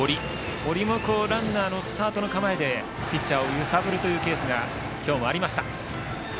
堀もランナーでスタートの構えでピッチャーを揺さぶるケースが今日もありました。